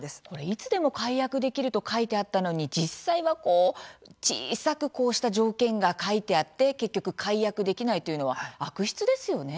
いつでも解約できると書いてあったのに、実際は小さくこうした条件が書いてあって結局、解約できないというのは悪質ですよね。